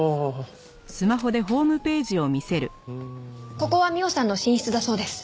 ここは美緒さんの寝室だそうです。